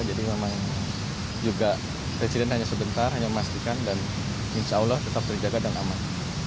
jadi memang juga presiden hanya sebentar hanya memastikan dan insya allah tetap terjaga dan aman